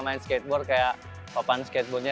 main skateboard kayak papan skateboardnya